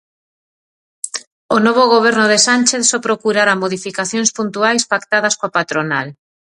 O novo Goberno de Sánchez só procurará modificacións puntuais pactadas coa patronal.